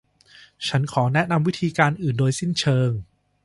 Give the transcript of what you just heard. ฉันขอแนะนำวิธีการอื่นโดยสิ้นเชิง